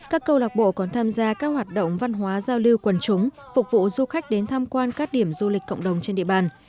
các câu lạc bộ còn tham gia các hoạt động văn hóa giao lưu quần chúng phục vụ du khách đến tham quan các điểm du lịch cộng đồng trên địa bàn